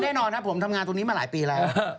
แน่นอนครับผมทำงานตรงนี้มาหลายปีแล้ว